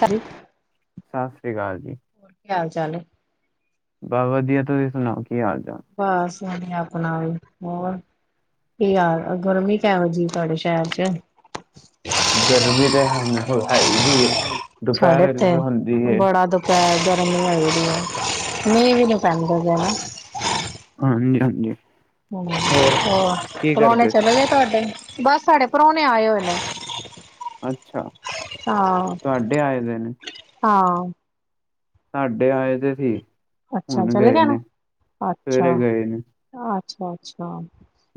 ਸਾਰੀ, ਸਤਿ ਸ਼੍ਰੀ ਅਕਾਲ ਜੀ। ਕੀ ਹਾਲ ਚਾਲ ਹੈ? ਬਾ ਵਧੀਆ, ਤੁਸੀਂ ਸੁਣਾਓ ਕੀ ਹਾਲ- ਚਾਲ? ਬਸ ਵਧੀਆ ਆਪਣਾ ਵੀ ਹੋਰ ਕੀ ਹਾਲ? ਗਰਮੀ ਕਿਹੋ ਜੀ ਤੁਹਾਡੇ ਸ਼ਹਿਰ ਚ? ਗਰਮੀ ਤਾਂ ਹੁਨ ਹੈ ਹੀ ਦੀ ਏ, ਦੁਪਹਿਰ ਵੇਲੇ ਤੇ ਹੁੰਦੀ ਐ। ਤਾਂ ਗਰਮੀ ਲੱਗਦੀ ਹੈ ਮੀਂਹ ਵੀ, ਨਹੀਂ ਪੈਂਦਾ ਹੈਗਾ ਨਾ। ਹਾਂਜੀ- ਹਾਂਜੀ। ਹੋਰ ਕੀ ਪਰੋਣੇ ਕਰਦੇ ਸੀ ਚਲੇ ਗਏ ਤੁਹਾਡੇ ਬਸ ਸਾਡੇ ਪ੍ਰਾਣੇ ਆਏ ਹੋਲੇ ਅੱਛਾ ਤੁਹਾਡੇ ਆਏ ਦੇ ਨੇ ਹਾਂ ਸਾਡੇ ਆਏ ਤੇ ਸੀ ਹੁਣ ਗਏ ਨੇ ਸਵੇਰੇ ਅੱਛਾ ਗਏ ਨੇ ਅੱਛਾ ਅੱਛਾ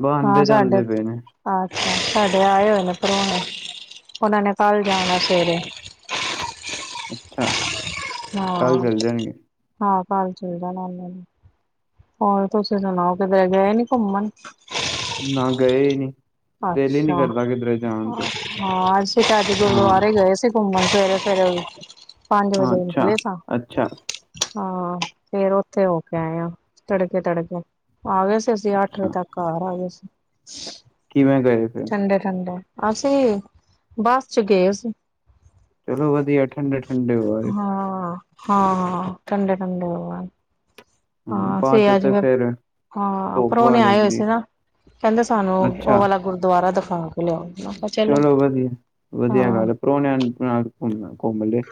ਬ ਹਾਂ ਆਂਦੇ ਸਾਡੇ ਜਾਂਦੇ ਪਏ ਨੇ ਅੱਛਾ ਸਾਡੇ ਆਏ ਹੋਏ ਨੇ ਪ੍ਰੋਣੇ ਉਹਨਾਂ ਨੇ ਕੱਲ ਜਾਣਾ ਸਵੇਰੇ ਅੱਛਾ ਕੱਲ ਹਾਂ ਚੱਲ ਜਾਣਗੇ ਹਾਂ ਕਲ ਚੱਲੇ ਜਾਣਾ ਓਨਾ ਨੇ ਹੋਰ ਤੁਸੀਂ ਸੁਣਾਓ ਕਿਧਰ ਗਏ ਨੀ ਘੁੰਮਣ ਨਾ ਗਏ ਹੀ ਨੀ ਦਿਲੀ ਨੀ ਅੱਛਾ ਕਰਦਾ ਕਿਧਰੇ ਜਾਣ ਤੇ ਹਾਂ ਅੱਸੀ ਤਾਂ ਅਜ ਹਾਂ ਗੁਰਦਵਾਰੇ ਗਏ ਸੀ ਘੁੰਮਣ ਸਵੇਰੇ ਸਵੇਰੇ ਪੰਜ ਵਜੇ ਹਾਂ ਅੱਛਾ ਨਿਕਲੇ ਤਾਂ ਅੱਛਾ ਹਾਂ ਫੇਰ ਓਥੇ ਹੋ ਕੇ ਆਏ ਆ ਤੜਕੇ ਤੜਕੇ ਆ ਗਏ ਸੀ ਅਸੀਂ ਅੱਠ ਵਜੇ ਅੱਛਾ ਤੱਕ ਘਾਰ ਆ ਗਏ ਸੀ ਕਿਵੇਂ ਗਏ ਫ ਠੰਡੇ ਠੰਡੇ ਅਸੀਂ ਬੱਸ ਚ ਗਏ ਅਸੀਂ ਚਲੋ ਵਧੀਆ ਠੰਡੇ ਠੰਡੇ ਹੋ ਆਏ ਹਾਂ ਹਾਂ ਹਾਂ ਠੰਡੇ ਠੰਡੇ ਹੋ ਆਏ ਹਾਂ ਬਾ ਚੋ ਤੇ ਫੇਰ ਹਾਂ ਧੁੱਪ ਆ ਪ੍ਰੋਣੇ ਆਏ ਹੋਏ ਜਾਂਦੀ ਏ। ਸੀ ਨਾ ਕਹਿੰਦੇ ਸਾਨੂੰ ਉਹ ਅੱਛਾ ਵਾਲਾ ਗੁਰਦੁਆਰਾ ਦਿਖਾ ਕੇ ਲਿਆਉ। ਚਲੋ ਵਧੀਆ ਵਧੀਆ ਗੱਲ। ਪ੍ਰੋਣਿਆਂ ਨੂੰ ਘਮਣਾ ਘੂੰਮ ਲੇ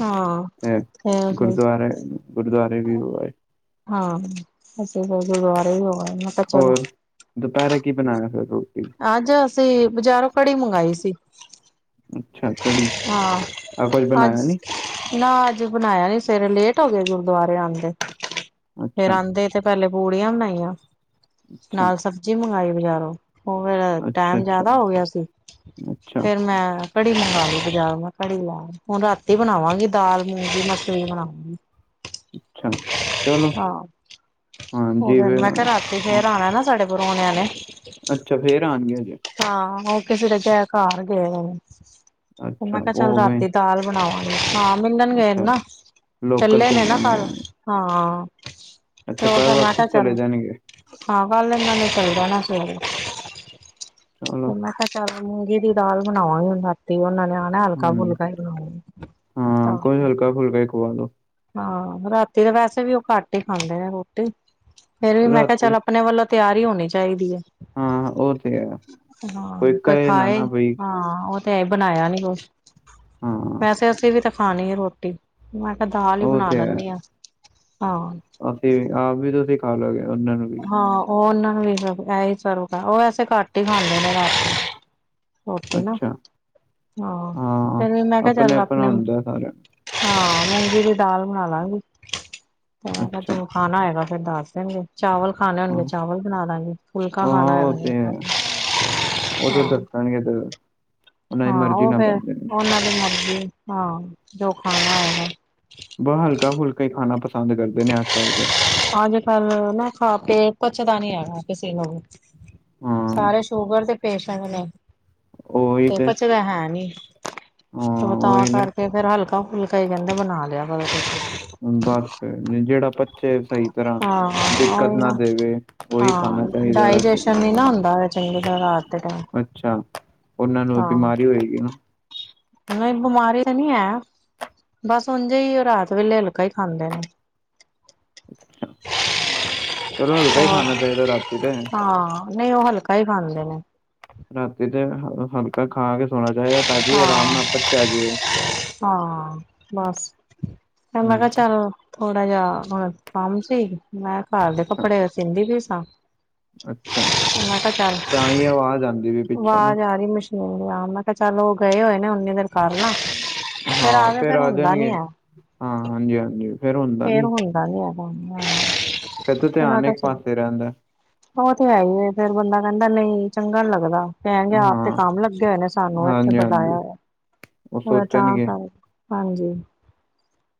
ਹਾਂ ਅ ਤੇ ਅਸੀਂ ਗੁਰਦੁਆਰੇ। ਗੁਰਦੁਆਰੇ ਵੀ ਹੋ ਆਏ। ਹਾਂ ਅਸੀਂ ਤਾਂ ਗੁਰਦੁਆਰੇ ਹੀ ਹੋ ਆਏ ਮੈਂ ਕਿਹਾ ਚਲੋ। ਦੁਪੈਰੇ ਕੀ ਬਣਾਏਆ ਫਿਰ ਤੂੰ। ਅੱਜ ਅਸੀਂ ਬਜ਼ਾਰੋਂ ਕੜੀ ਮੰਗਾਈ ਸੀ। ਅੱਛਾ ਕੜੀ ਹਾਂ। ਆ ਕੁਛ ਅੱਜ ਬਣਾਇਆ ਨੀ। ਨਾ ਅੱਜ ਬਣਾਇਆ ਨੀ ਸਵੇਰੇ ਲੇਟ ਹੋ ਗਏ ਗੁਰਦੁਆਰੇ ਆਂਦੇ ਫਰ ਅੱਛਾ ਆੰਦੇ ਤੇ ਪੈਲੇ ਪੂੜੀਆਂ ਬਣਾਈਆਂ ਅੱਛਾ ਨਾਲ ਸਬਜ਼ੀ ਮੰਗਾਈ ਬਜ਼ਾਰੋਂ। ਉਹ ਫੇਿਰ ਟਾਈਮ ਜਿਆਦਾ ਹੋ ਗਿਆ ਸੀ। ਹਮ। ਫੇਰ ਮੈਂ ਕੜੀ ਮੰਗਾ ਲਈ ਬਾਜਾਰੋ ਕੜੀ ਲੈ ਹੁਣ ਰਾਤੀ ਬਣਾਵਾਂਗੀ ਦਾਲ ਮੂੰਗੀ ਮਸਰੀ ਬਣਾਵਾਂਗੀ। ਅੱਛਾ ਚਲੋ ਹਾਂ ਉਹ ਫ ਹਾਂਜੀ ਮੈਂ ਕਿਹਾ ਤੇ ਫਿਰ ਫੇਰ ਆਣਾ ਨਾ ਸਾਡੇ ਪਰੋਣੇ ਆ ਨੇ। ਅੱਛਾ ਫੇਰ ਆਣਗੇ ਹਜੇ। ਹਾਂ ਉਹ ਕਿਸੇ ਦੇ ਫਿਰ ਘਰ ਗਏ। ਅੱਛਾ ਮੈਂ ਕਿਹਾ ਚੱਲ ਉਵੇਂ ਰਾਤੀ ਦਾਲ ਬਣਾਵਾਂਗੇ ਹਾਂ ਮਿਲਣਗੇ ਅੱਛਾ ਨਾ। ਲੋਕਲ ਚੱਲੇ ਨੇ ਨਾ ਘੁੰਮਾਂਗੇ ਕੱਲ ਹਾਂ ਤੇ ਅੱਛਾ ਓ ਕੱਲ ਫਿਰ ਮੈਂ ਵਾਪਿਸ ਕਿਹਾ ਚਲੇ ਚੱਲ। ਜਾਣਗੇ ਹਾਂ ਕਲ ਇਹਨਾਂ ਨੇ ਚੱਲ ਜਾਣਾ ਸਵੇਰੇ। ਹ। ਤੇ ਮੈਂ ਕਿਹਾ ਚਲ ਮੂੰਗੀ ਦੀ ਦਾਲ ਬਣਾਵਾਂਗੀ ਹ ਰਾਤੀ ਉਹਨਾਂ ਨੇ ਹਲਕਾ ਹਾਂ ਫੁਲਕਾ ਹੀ ਬਣਾ ਹਾਂ ਫੁਲਕਾ। ਕੁਝ ਹਲਕਾ ਫੁਲਕਾ ਹੀ ਖਵਾ ਦੋ ਹਾਂ ਰਾਤੀ ਦੇ ਵੈਸੇ ਵੀ ਉਹ ਘੱਟ ਹੀ ਖਾਂਦੇ ਨੇ ਰੋਟੀ ਫੇਰ ਵੀ ਮੈਂ ਕਿਹਾ ਰਾਤੀ ਚੱਲ ਆਪਣੇ ਵੱਲੋਂ ਤਿਆਰੀ ਹੋਣੀ ਚਾਹੀਦੀ ਹੈ। ਹਾਂ ਉਹ ਤੇ ਹੈ ਹਾਂ ਕੋਈ ਕਹੇ ਨਾ ਭਖਾਏ ਨਾ ਬਈ ਹਾਂ ਉਹ ਤੇ ਐ ਬਣਾਇਆ ਨੀ ਕੁਛ ਹਾਂ ਵੈਸੇ ਅਸੀਂ ਵੀ ਤਾਂ ਖਾਣੀ ਏ ਰੋਟੀ। ਮੈਂ ਕਿਹਾ ਦਾਲ ਹੀ ਉਹ ਬਣਾ ਤੇ ਹੈ ਲੈਂਦੀ ਆਾਂ ਹਾਂ। ਅਸੀਂ ਆਪ ਵੀ ਤੁਸੀ ਸਿਖਾ ਲਓਗੇ ਉਹਨਾਂ ਨੂੰ ਵੀ ਹਾਂ ਉਹ ਉਹਨਾਂ ਨੂੰ ਵੀ ਇਹੀ ਸਰ ਉਹ ਵੈਸੇ ਘੱਟ ਹੀ ਖਾਂਦੇ ਨੇ ਰਾਤੀ ਹੋ ਨਾ ਅੱਛਾ ਹਾਂ ਫਿਰ ਵੀ ਮੈਂ ਕਿਹਾ ਚੱਲ ਆਪਣੇ ਆਪਣਾ ਹਾਂ ਹੁੰਦਾ ਸਾਰਾ ਮੁੰਗੀ ਦੀ ਦਾਲ ਬਣਾ ਲਾਂਗੀ। ਅੱਛਾ ਖਾਣਾ ਹੈਏਗਾ ਫੇਰ ਦੱਸ ਦੇਣਗੇ। ਚਾਵਲ ਖਾਣੇ ਹਾਂ ਹੋਣਗੇ ਚਾਵਲ ਬਣਾ ਦਾਂਗੇ ਫੁਲਕਾ ਹਾਂ ਖਾਣਾ ਉਹ ਤੇ ਹੈ ਹੈਗਾਗੇ। ਉਹ ਤੇ ਦੱਸਦਾ। ਅਈ ਏਦਰ ਹਾਂ ਉਹ ਫੇਿਰ ਉਹਨਾਂ ਦੀ ਮਰਜ਼ੀ ਹਾਂ ਜੋ ਖਾਣਾ ਉਹਨੇ ਬ ਹਲਕਾ ਫੁਲਕਾ ਹੀ ਖਾਣਾ ਪਸੰਦ ਕਰਦੇ ਨੇ ਅੱਜ ਕੱਲ੍ਹ ਦੇ। ਅੱਜ ਕੱਲ ਨਾ ਖਾ ਕੇ ਪਚਦਾ ਨੀ ਹੈਗਾ ਕਿਸੇ ਨੂੰ ਵੀ। ਹਾਂ ਸਾਰੇ ਸ਼ੂਗਰ ਦੇ ਪੇਸ਼ੈਂਟ ਨੇ ਤੇ ਪਚਦਾ ਹੈ ਨੀ। ਹਾਂ ਤਾਂ ਉਹੀ ਨੇ ਕਰਕੇ ਫੇਰ ਹਲਕਾ ਫੁਲਕਾ ਕਹਿੰਦੇ ਬਣਾ ਲਿਆ ਕਰੋ ਤੁਸੀਂ ਬਸ ਫਿਰ ਜਿਹੜਾ ਪ ਚੇ ਸਹੀ ਤਰ੍ਹਾਂ ਹਾਂ ਦਿੱਕਤ ਉਹੀ ਨਾ ਦੇਵੇ ਉਹੀ ਖਾਣਾ ਹਾਂ ਚਾਹੀਦਾ ਵੈਸੇ ਡਾਇਜੈਸ਼ਨ ਨੀ ਨਾ ਤਾਂ। ਹੁੰਦਾ ਚੰਗੀ ਤਰ੍ਹਾਂ ਰਾਤ ਦੇ ਟਾਈਮ ਅੱਛਾ ਉਹਨਾਂ ਨੂੰ ਤਾਂ ਬਿਮਾਰੀ ਹੋਏਗੀ ਨਾ। ਬਿਮਾਰੀ ਤਾਂ ਨੀ ਹੈ ਬਸ ਉਝੇ ਹੀ ਉਹ ਰਾਤ ਵੇਲੇ ਹਲਕਾ ਹੀ ਖਾਂਦੇ ਨੇ। ਅੱ ਚਲੋ ਹਲਕਾ ਹੀ ਹੋਰ ਖਾਣਾ ਚਾਹੀਦਾ ਰਾਤੀ ਤੇ। ਹਾਂ ਨਹੀਂ ਉਹ ਹਲਕਾ ਹੀ ਖਾਂਦੇ ਨੇ। ਰਾਤੀ ਤੇ ਹਲਕਾ ਖਾ ਕੇ ਸੋਣਾ ਚਾਹੀਦਾ ਤਾਂ ਕਿ ਆਰਾਮ ਹਾਂ ਨਾਲ ਪਚਿਆ ਜਾਵੇ। ਹਾਂ ਬਸ, ਮੈ ਕਿਹਾ ਹੂੰ ਚੱਲ। ਥੋੜਾ ਜਹਾ ਹੁਣ ਕੰਮ ਸੀ ਮੈਂ ਘਰਂ ਦੇ ਅੱਛਾ ਕੱਪੜੇ ਸੀਦੀ ਵੀ ਸਾਂ। ਅੱਛਾ ਮੈਂ ਕਿਹਾ ਚੱਲ, ਤਾਂ ਹੀ ਆਵਾਜ਼ ਆਉਂਦੀ ਵੀ ਪਿੱਛੋਂ ਨਾ ਆਵਾਜ਼ ਆ ਰਹੀ ਮੁਸ਼ ਆ ਮੈਂ ਕਿਹਾ ਚੱਲ ਉਹ ਗਏ ਹੋਏ ਨੇ ਉਓਨੀ ਦੇਰ ਕਰ ਲਾ ਹਾਂ ਕੇ ਫੇਰ ਆ ਹੁੰਦਾ ਜਾਣਗੇ ਨੀ ਹੈ ਹਾਂ ਹਾਂਜੀ ਹਾਂਜੀ ਫੇਰ ਹੁੰਦਾ ਨੀ। [unintelligible] ਫਿਰ ਧਿਆਨ ਏਕ ਪਾਸੇ ਰਹਿੰਦਾ। ਉਹ ਤੇ ਹੈ ਹੀ ਹੈ ਫੇਰ ਬੰਦਾ ਕਹਿੰਦਾ ਨਹੀਂ ਚੰਗਾ ਲੱਗਦਾ। ਕਹਿਣਗੇ ਆਪ ਤੇ ਹਾਂ ਕੰਮ ਲੱਗੇ ਹੋਏ ਨੇ ਸਾਨੂੰ ਇੱਥੇ ਹਾਂਜੀ ਬੁਲਾਇਆ। ਹਾਂਜੀ ਉਹ ਹੋਇਆ ਹੋ ਤਾਂ ਸੋਚਣਗੇ ਕਰ ਹਾਂਜੀ।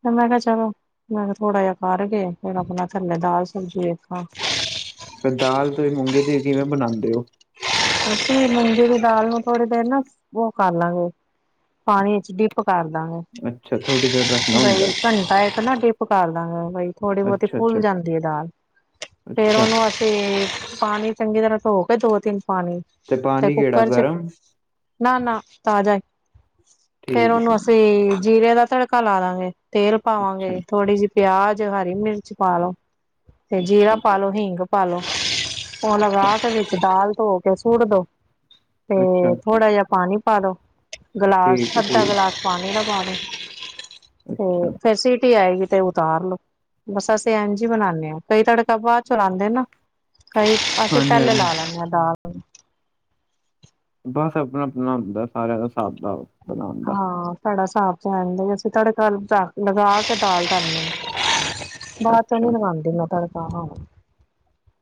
ਤੇ ਮੈਂ ਕਿਹਾ ਚਲੋ, ਮੈਂ ਕਿਹਾ, ਥੋੜਾ ਜਿਹਾ ਪਾਰਕ ਗਏ ਫਿਰ ਆਪਣਾ ਥੱਲੇ ਦਾਲ, ਸਬਜ਼ੀ ਦੇੇਖਾਂ। ਦਾਲ ਤੁਸੀਂ ਮੂੰਗੀ ਦੀ ਕਿਵੇਂ ਬਣਾਉਂਦੇ ਹੋ? ਅਸੀ ਮੁਗੀ ਦੀ ਦਾਲ ਨੂੰ ਥੋੜੀ ਦੇਰ ਨਾ ਉਹ ਕਰ ਲਾਂਗੇ ਪਾਣੀ ਚ' ਡਿਪ ਕਰ ਦਾਂਗੇ ਅੱਛਾ ਥੋੜ੍ਹੀ ਦੇਰ ਰੱਖਣਾ ਹੁੰਦਾ ਬਈ ਘੰਟਾ ਏਕ ਨਾ ਡੀਪ ਪਕਾ ਲਾਂਗਾ ਬਈ ਥੋੜੀ ਬਹੁਤੀ ਅੱਛਾ ਅੱਛਾ ਫੁੱਲ ਜਾਂਦੀ ਹੈ ਦਾਲਫੇਰ ਅੱਛਾ ਉਹਨੂੰ ਤੇ, ਪਾਣੀ ਚੰਗੀ ਤਰ੍ਹਾਂ ਧੋ ਕੇ ਦੋ ਤਿੰਨ ਪਾਣੀ, ਤੇ ਪਾਣੀ ਕਿਹੜਾ ਕੁੱਕਰ ਚ' ਗਰਮ ਨਾ ਨਾ ਤਾਜ਼ਾ ਹੀ ਫੇਰ ਠੀਕ ਉਹਨੂੰ ਹੈ, ਠੀਕ ਹੈ। ਅਸੀਂ ਜੀਰੇ ਦਾ ਤੜਕਾ ਤੜਕਾ ਲਾ ਦਾਂਗੇ ਤੇਲ ਅੱਛਾ ਪਾਵਾਂਗੇ, ਥੋੜ੍ਹੀ ਜਿਹੀ ਪਿਆਜ, ਹਰੀ ਮਿਰਚ ਪਾ ਲੋ। ਤੇ ਜੀਰਾ ਅੱਛਾ ਪਾਲੋ, ਹਿੰਗ ਪਾਲੋ, ਹੁ ਅੱਛਾ ਲਗਾਤ ਵਿੱਚ ਦਾਲ ਧੋ ਤੇ ਸੁਟ ਦੋ ਅੱਛਾ ਤੇ ਅੱਛਾ ਥੋੜਾ ਜਿਹਾ ਪਾਣੀ ਪਾ ਦੋ ਗਲਾਸ ਠੀਕ ਹੈ, ਠੀਕ ਅੱਧਾ ਹੈ। ਗਿਲਾਸ ਪਾਣੀ ਲਗਾਣੇ ਤੇ ਅੱਛਾ ਫਿਰ ਸਟੀ ਆਏਗੀ ਤੇ ਉਤਾਰ ਲੋੋ। ਬਸ ਅਸੀਂ ਐਂਜ ਈ ਬਨਾਣੇ ਆਂ ਕਈ ਤੜਕਾ ਬਾਦ ਚੋਂ ਲਾਂਦੇ ਨਾ। ਕਈ ਅਸੀਂ ਹਾਂਜੀ ਪੈਲੇ ਹਾਂਜੀ ਲਾ ਲੈਣੇ ਆ ਦਾਲ ਨੂੰ ਬਸ ਆਪਣਾ-ਆਪਣਾ ਹੁੰਦਾ ਸਾਰਿਆਂ ਦਾ ਹਿਸਾਬ ਤਾਬ ਹਾਂਸਾਡਾ ਹਿਸਾਬ ਦਾ ਅਸੀਂ ਤੜਕਾ ਲਗਾ ਕੇ ਦਾਲ ਧਰਨੀ ਹੈ। ਬਾਦ 'ਚ ਅੱਛਾ ਨੀ ਲਗਾਂਦੀ ਮੈਂ ਤੜਕਾ ਹਾਂ।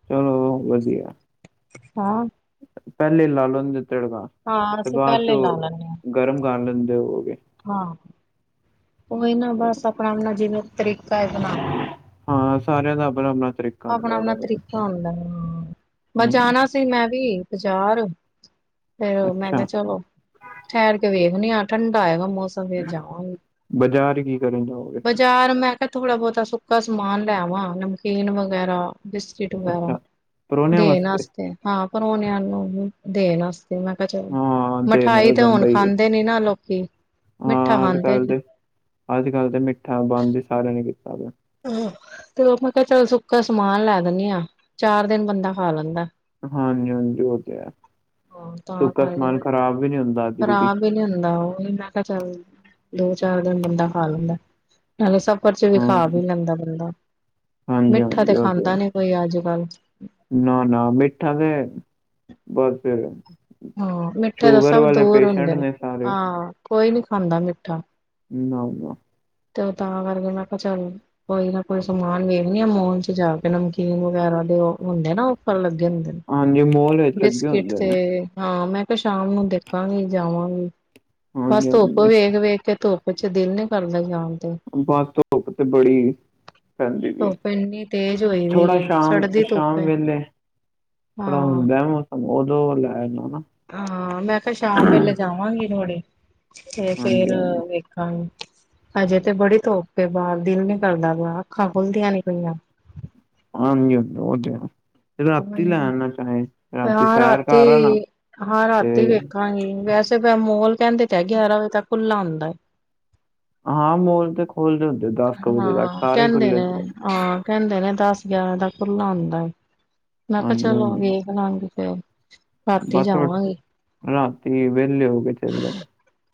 ਚਲੋ ਵਧੀਆ ਹਾਂ। ਪੈਲੇ ਲਾ ਲਾਂਦੇ ਤੜਕਾ ਹਾਂ ਤੇ ਅਸੀਂ ਬਾਦ ਪਹਿਲੇ ਲਾ ਚੋਂ ਲੈਂਨੇ ਆ ਗਰਮ ਕਰ ਲੈਂਦੇ ਹੋਗੇ। ਹਾਂ ਉਹੀ ਨਾ ਬਸ ਆਪਣਾ-ਆਪਣਾ ਜਿਵੇਂ ਤਰੀਕਾ ਹੈ ਬਣਾ ਹਾਂ ਸਾਰਿਆਂ ਦਾ ਆਪਣਾ-ਆਪਣਾ ਤਰੀਕ ਆਪਣਾ-ਆਪਣਾ ਤਰੀਕਾ ਹੁੰਦਾ ਹੂੰ ਬ ਹਮ ਜਾਣਾ ਸੀ ਮੈਂ ਵੀ ਬਾਜ਼ਾਰ ਫੇਰ ਮੈਂ ਕਿਆ ਅੱਛਾ ਚਲੋ ਠੈਰ ਕੇ ਵੇਖਨੀ ਆ ਠੰਡਾ ਹੋਗਾ ਮੌ ਮੌਸਮ ਫੇਰ ਜਾਵਾਂਗੀ ਬਾਜ਼ਾਰ ਕੀ ਕਰਨ ਜਾਓਗੇ ਫਿਰ ਬਾਜ਼ਾਰ ਮੈਂ ਮ ਥੋੜਾ-ਬੋਤਾ ਸੁੱਕਾ ਸਮਾਨ ਲੈ ਆਵਾਂ ਨਮਕੀਨ ਵਗੈਰਾ ਪਿ ਬਿਸਕੁਟ ਵਗੈਰਾ ਅੱਛਾ ਪਰੋਣਿਆਂ ਦੇਣ ਵਾਸਤੇ ਅਸਤੇ ਹਾਂ ਪਰੋਣਿਆਂ ਨੂੰ ਦੇਣ ਅਸਤ ਮੈਂ ਕਿਆ ਚਲੋ ਹਾਂ ਮਿਠਾਈ ਨਾਲ ਤੇ ਬਣਦਾ ਹੁਣ ਹੀ ਹੈ। ਖਾਂਦੇ ਨੀ ਨਾ ਲੋਕੀ ਮਿੱਠਾ ਹਾਂ ਅੱਜ ਖਾਂਦੇ ਕੱਲ ਨੀ। ਤੇ ਅੱਜ ਕੱਲ੍ਹ ਤੇ ਮਿੱਠਾ ਬੰਦ ਹੀ ਸਾਰਿਆਂ ਨੇ ਕੀਤਾ ਦਾ। ਆ ਤੇ ਓ ਮੈਂ ਕਿਆ ਚੱਲ ਸੁੱਕਾ ਸਮਾਨ ਲੈ ਦਿੰਨੇ ਆ ਚਾਰ ਦਿਨ ਬੰਦਾ ਖਾ ਲੈਂਦਾ। ਹਾਂਜੀ-ਹਾਂਜੀ ਓ ਤੇ ਹੈ। ਹਾਂ ਤਾਂ ਸੁੱਕਾ ਕਰਕੇ ਸਮਾਨ ਮ ਖ਼ਰਾਬ ਵੀ ਨੀ ਹੁੰਦਾ ਜਲਦੀ ਖਰਾਬ ਹੀ ਨੀ ਹੁੰਦਾ ਉਹੀ ਮੈਂ ਮੈਂ ਚੱਲ ਦੋ-ਚਾਰ ਦਿਨ ਬੰਦਾ ਖਾ ਲੈਂਦਾ ਨਾਲੇ ਸਫ਼ਰ ਚ' ਵੀ ਹਾਂ ਖਾ ਵੀ ਲੈਂਦਾ ਬੰਦਾ ਹਾਂਜੀ ਮਿੱਠਾ ਤੇ ਹਾਂਜੀ ਖਾਂਦਾ ਨੀ ਕੋਈ ਅੱਜ ਕੱਲ ਨਾ-ਨਾ ਮਿੱਠਾ ਤੇ ਬਸ ਹਾਂ ਮਿੱਠੇ ਦਾ ਸ਼ੂਗਰ ਸਭ ਵਾਲੇ ਦੂਰ ਪੇਸ਼ੈਂਟ ਹੁੰਦੇ ਨੇ ਸਾਰੇ। ਹਾਂ ਕੋਈ ਨੀ ਖਾਂਦਾ ਮਿੱਠਾ [inaudible] ਤੇ ਤਾਂ ਕਰਕੇ ਮੈਂ ਕਿਆ ਚੱਲ। ਕੋਈ ਨਾ ਕੋਈ ਸਮਾਨ ਵੇਖਣੀ ਆ ਮੋਲ 'ਚ ਜਾ ਕੇ ਨਮਕੀਨ ਵਗੈਰਾ ਦੇ ਓ ਹੁੰਦੇ ਨਾ ਉਪਰ ਲੱਗੇ ਹੁੰਦੇ। ਨੇ ਹਾਂਜੀ ਮੋਲ ਵਿਚ ਲੱਗੇ ਬਿਸਕਿਟ ਹੁੰਦਾ ਤੇ ਨੇ। ਹਾਂ ਮੈਂ ਕਿਆ ਸ਼ਾਮ ਨੂੰ ਦੇਖਾਂਗੀ ਜਾਵਾਂਗੀ ਬਸ ਹਾਂਜੀ, ਧੁੱਪ ਹਾਂਜੀ ਵੇਖ-ਵੇਖ ਕੇ ਧੁੱਪ ਪਿੱਛੇ ਦਿਲ ਨੀ ਕਰਦਾ ਜਾਣ ਤੇ ਬਸ ਧੁੱਪ ਤੇ ਬੜੀ ਪੈਂਦੀ ਪਈ ਵੇ ਧੁੱਪ ਇੰਨੀ ਤੇਜ਼ ਹੋਈ ਦੀ ਥੋੜਾ ਏ ਸੜਦੀ ਧੁੱਪ ਸ਼ਾਮ-ਸ਼ਾਮ ਏ ਵੇਲੇ ਥੋੜਾ ਹਾਂ ਹੁੰਦਾ ਮੌਸਮ ਉਦੋਂ ਲੈਣ ਜਾਨਾ। ਹਾਂ ਮੈਂ ਕਿਆ ਸ਼ਾਮ ਵੇਲੇ ਜਾਵਾਂਗੀ ਥੋੜੇ ਤੇ ਹਾਂਜੀ, ਫੇਰ ਹਾਂਜੀ, ਵ ਹਾਂ ਹਜੇ ਤੇ ਬੜੀ ਧੁਪ ਏ ਬਾਰ ਦਿਲ ਨੀ ਕਰਦਾ ਵ ਅੱਖਾਂ ਖੁੱਲਦੀਆਂ ਨਈ ਪਈਆਂ। ਹਾਂਜੀ ਓ ਤੇ ਹੈ। ਰਾਤੀ ਲੈ ਆਨਾ ਚਾਹੇ ਰਾਤੀ ਹਾਂ ਸੈਰ ਕਰ ਆਨਾ ਰਾਤੀ-ਹਾਂ ਰਾਤੀ ਤੇ ਵੇਖਾਂਗੀ ਵੈਸ ਫਿਰ ਮੋਲ ਕੈਂਦੇ ਤੇ ਗਿਆਰਾਂ ਵਜੇ ਤੱਕ ਖੁੱਲਾ ਹੁੰਦਾ। ਹਾਂ ਮੋਲ ਤੇ ਖੋਲਦੇ ਹੁੰਦੇ ਦਸ ਕੁ ਵਜੇ ਤੱਕ ਸਾਰੇ ਖੁੱਲ੍ਹੇ ਹੁੰਦੇ। ਕੈਂਦੇ ਨੇ ਦਸ ਗਿਆਰਾਂ ਦਾ ਖੁੱਲਾ ਹੁੰਦਾ ਮੈਂ ਕਿਆ ਹਾਂਜੀ, ਚਲੋ ਹਾਂਜੀ ਵੇ ਬਣਾਂਦੇ ਪਏ ਹੋ। ਬਸ ਰਾਤੀ ਵਿਹਲੇ ਹੋ ਕੇ ਚਲੇ ਜਾਣਾ।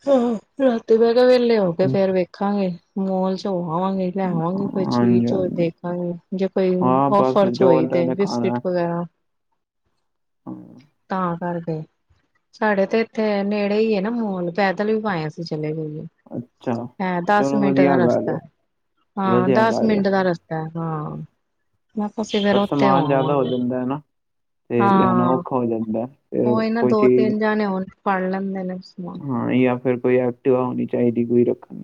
ਹੂੰ-ਹੂੰ ਰਾਤੀ ਮੈਂ ਕਿਆ ਵੇਲੇ ਹੋ ਕੇ ਵੇਖਾਂਗੇ ਮੋਲ 'ਚ ਹੋ ਆਵਾਂਗੇ। ਲੈ ਵਾਂਗੀ ਕੋਈ ਹਾਂਜੀ ਚੀਜ਼ ਹੋ ਹਾਂਜੀ ਦੇਖਾਂਗੀ ਜੇ ਕੋਈ ਹਾਂ ਬਸ ਔਫਰ 'ਚ ਜੋ ਹੋਈ ਉਹਨਾਂ ਤੇ ਨੇ ਖਾਣਾ ਬਿਸਕਿਟ ਹੈ ਵਗੈਰਾ ਹਾਂ ਤਾਂ ਕਰ ਗਏ ਸਾਡੇ ਤੇ ਇੱਥੇ ਨੇੜੇ ਹੀ ਹੈ ਨਾ ਮੋਲ ਪੈਦਲ ਵੀ ਪਾਏ ਅਸੀਂ ਚਲੇ ਜਾਈਏ ਅੱਛਾ ਹੈ ਦਸ ਚਲੋ ਮਿੰਟ ਦਾ ਵਧੀਆ ਗੱਲ ਰਸਤ ਹੈ [unintelligible] ਹਾਂ ਵਧੀਆ ਦਸ ਗੱਲ ਹੈ ਮਿੰਟ ਦਾ ਰਸਤਾ ਹਾਂ। ਮੈਂ ਕੁਛ ਦੇਰ ਪਰ ਉੱਥੇ ਹੋ ਸਮਾਨ ਜ਼ਿਆਦਾ ਆਵਾਂਗੇ ਜਾਂਦਾ ਹੈ ਨਾ ਤੇ ਲਿਆਣਾ ਹਾਂ ਔਖਾ ਹੋ ਜਾਂਦਾ ਹੈ ਉਹ ਫਿਰ ਇਹ ਨਾ ਕੋਈ ਦੋ ਚੀਜ਼ ਤਿੰਨ ਜਾਣੇ ਹਣ ਫੜ ਲੈਂਦੇ ਨੇ ਸਮਾਨ ਹਾਂ ਜਾਂ ਫਿਰ ਕੋਈ ਐਕਟਿਵਾ ਹੋਣੀ ਚਾਹੀਦੀ ਕੋਈ ਰੱਖਣ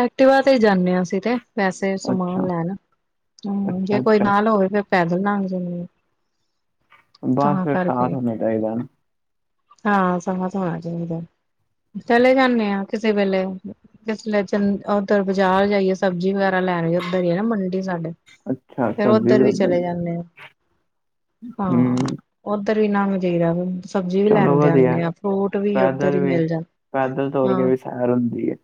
ਐਕਟਿਵਾ ਤੇ ਹੀ ਜਾਂਦੇ ਹਾਂ ਅਸੀਂ ਤੇ ਪੈਸੇ ਸਮਾਨ ਅੱਛਾ ਲੈਣਾ ਹੂੰ ਅੱਛਾ ਜੇ ਕੋਈ ਅੱਛਾ ਨਾਲ ਹੋਵੇ ਫਿਰ ਪੈਦਲ ਨਾਣ ਗਏ ਬਸ ਤਾਂ ਫਿਰ ਸਾਥ ਕਰਕੇ ਹੋਣਾ ਚਾਹੀਦਾ ਨਾ ਹਾਂ ਸਮਾਂ ਹੋਣਾ ਚਾਹੀਦਾ ਚਲੇ ਜਾਂਦੇ ਹਾਂ ਕਿਸੇ ਵੇਲੇ ਹੋ ਇਸਲੇ ਚੰ ਉਧਰ ਬਾਜ਼ਾਰ ਜਾਈਏ ਸਬਜ਼ੀ ਵਗੈਰਾ ਲੈਣ ਉਧਰ ਹੀ ਹੈ ਨਾ ਮੰਡੀ ਸਾਡੇ ਅੱਛਾ ਫਿਰ ਸਬਜ਼ੀ ਉੱਧਰ ਵੀ ਚਲੇ ਹੀ। ਜਾਂਦੇ ਆ ਹਾਂ ਹੂੰ ਉਧਰ ਨਾ [unintelligible] ਸਬਜ਼ੀ ਵੀ ਚਲੋ ਲੈਂਦੇ ਵਧੀਆ ਆਦੇ ਹੈ। ਆ ਫਰੂਟ ਵੀ ਉੱਧਰ ਹੀ ਮਿਲ ਜਾਂਦਾ ਹਾਂ। ਅਰੁਣ ਦੀ ਹੈ।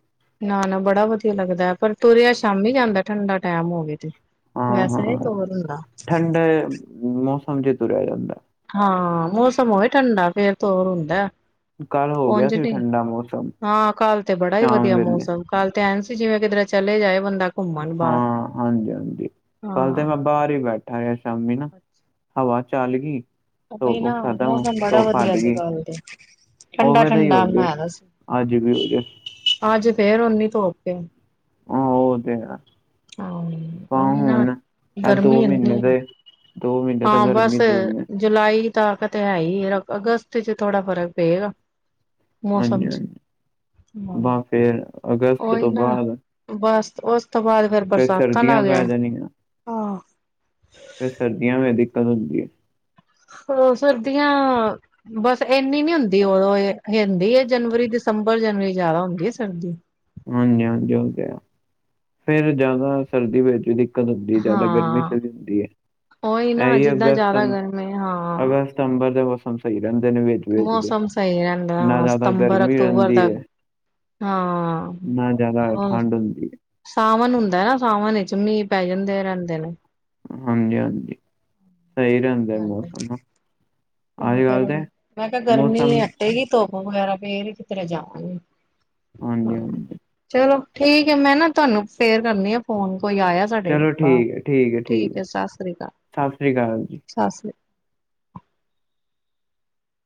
ਨਾ ਨਾ ਬੜਾ ਵਧੀਆ ਲੱਗਦਾ ਹੈ ਪਰ ਤੁਰਿਆ ਸ਼ਾਮੀ ਜਾਂਦਾ ਠੰਡਾ ਟਾਈਮ ਹੋਵੇ ਤੇ ਵੈਸੇ ਤੋਰ ਦਿੰਦਾ ਠੰਡ ਮੌਸਮ ਚੇ ਤੁਰਿਆ ਜਾਂਦਾ ਹਾਂ ਮੌਸਮ ਉਹਵੇ ਠੰਡਾ ਫਿਰ ਤੋਰ ਹੁੰਦਾ ਕੱਲ ਹੋ ਗਿਆ ਉੰਜ ਤਾਂ ਸੀ ਨਹੀਂ ਠੰਡਾ ਮੌਸਮ ਹਾਂ ਕੱਲ ਤੇ ਬੜਾ ਹੀ ਸ਼ਾਮ ਵਧੀਆ ਵੇਲੇ ਮੌਸਮ ਕੱਲ ਤੇ ਐਨ ਸੀ ਜਿਵੇਂ ਕਿਧਰੇ ਚਲੇ ਜਾਵੇ ਬੰਦਾ ਘੁੰਮਣ ਬਾਹਰ। ਹਾਂ ਹਾਂਜੀ ਹਾਂਜੀ ਕੱਲ ਤੇ ਹਾਂ। ਮੈਂ ਬਾਹਰ ਹੀ ਬੈਠਾ ਹਾਂ ਸ਼ਾਮੀ ਨਾ ਹਵਾ ਚੱਲ ਗਈ ਉਹੀ ਹੁਕਮ ਨਾ ਸਾਡਾ ਹੁਣ ਮੌਸਮ ਬੜਾ ਧੁੱਪ ਹਟ ਵਧੀਆ ਸੀ ਗਈ ਕੱਲ ਤੇ ਉਵੇਂ ਦਾ ਹੋਇਆ ਠੰਡਾ-ਠੰਡਾ ਜੇ ਬਣਾਇਆ ਦਾ ਸੀ। ਅੱਜ ਵੀ ਹੋ ਜੇ ਅੱਜ ਫਿਰ ਉਨੀ ਧੁੱਪ ਹੈ। ਹੁਣ ਉਹ ਤੇ ਆ ਹਾਂ ਤਾਂ ਉਹੀ ਨਾ ਹੁਣ ਇਹ ਦੋ ਗਰਮੀ ਇੰਨੀ ਮਹੀਨੇ ਹੈ ਦੇ ਦੋ ਮਹੀਨੇ ਤਾਂ ਹਾਂ ਬਸ ਗਰਮੀ ਦੇ ਹੀ ਹੈ। ਜੁਲਾਈ ਤੱਕ ਤਾਂ ਹੈ ਹੀ ਅਗਸਤ ਚ ਥੋੜਾ ਫਰਕ ਪਏਗਾ ਹਾਂਜੀ ਮੌਸਮ ਚ ਹਾਂਜੀ [unintelligible] ਬਸ ਫੇਰ ਅਗਸਤ ਉਹ ਹੀ ਤੋਂ ਨਾ ਬਾਅਦ ਬਸ ਉਸ ਤੋਂ ਬਾਅਦ ਫਿਰ ਫੇਰ ਬਰਸਾਤਾਂ ਸਰਦੀਆਂ ਲੱਗ ਪੈ ਜਾਣ ਉਹ ਫਿਰ ਸਰਦੀਆਂ ਮ ਦਿੱਕਤ ਹੁੰਦੀ ਹੈ। ਹਾਂ ਸਰਦੀਆਂ ਬਸ ਇੰਨੀ ਨੀ ਹੁੰਦੀ ਉਦੋਂ [unintelligible] ਹੈ। ਜਨਵਰੀ, ਦਿਸੰਬਰ, ਜਨਵਰੀ ਜ਼ਿਆਦਾ ਹੁੰਦੀ ਹੈ। ਸਰਦੀ ਹਾਂਜੀ- ਹਾਂਜੀ ਉਹ ਤੇ ਹੈ। ਫਿਰ ਜ਼ਿਆਦਾ ਸਰਦੀ ਵਿੱਚ ਵੀ ਦਿੱਕਤ ਹੁੰਦੀ ਜਿਆਦਾ ਗਰਮੀ ਹਾਂ ਚੜੀ ਹੁੰਦੀ ਉਹੀ ਹੈ। ਨਾ ਇਹੀ ਜਿੱਦਾਂ ਅਗਸਤ, ਜ਼ਿਆਦਾ ਸਿਤੰਬਰ, ਗਰਮੀ ਹਾਂ ਅਗਸਤ ਸਿਤੰਬਰ ਦੇ ਮੌਸਮ ਸਹੀ ਰਹਿੰਦੇ ਨੇ ਵੇ ਮੌਸਮ ਸਹੀ ਰਹਿੰਦਾ [unintelligible] ਨਾ ਹਾਂ ਜ਼ਿਆਦਾ ਸਤੰਬਰ ਗਰਮੀ ਅਕਤੂਬਰ ਰਹਿੰਦੀ ਤੱਕ ਹੈ। ਨਾ ਜ਼ਿਆਦਾ ਠੰਡ ਹੁੰਦੀ ਹੈ। ਸਾਵਣ ਹੁੰਦਾ ਨਾ ਸਾਵਣ ਵਿੱਚ ਮੀਂਹ ਪੈ ਜਾਂਦੇ ਰਹਿੰਦੇ ਨੇ ਹਾਂਜੀ- ਹਾਂਜੀ ਸਹੀ ਰਹਿਦਾ ਮੌਸਮ ਨਾ [unintelligible] ਮੈਂ ਕਿਹਾ ਗਰਮੀ ਮੌਸਮ ਹਟੇਗੀ ਧੁੱਪ ਵਗੈਰਾ ਫਿਰ ਕਿਧਰੇ ਜਾਵਾਂਗੇ ਹਾਂਜੀ- ਹਾਂਜੀ ਚਲੋ ਠੀਕ ਹੈ। ਮੈਂ ਨਾ ਤੁਹਾਨੂੰ ਫੇਰ ਕਰਨੀ ਆ ਫੋਨ ਕੋਈ ਆਇਆ ਸਾਡੇ ਬਾਹਰ ਠੀਕ ਹੈ। ਸਤਿ ਸ੍ਰੀ ਅਕਾਲ, ਸਤਿ ਸ੍ਰੀ ਅਕਾਲ ਜੀ ਸਤਿ ਸ੍ਰੀ ਅਕਾਲ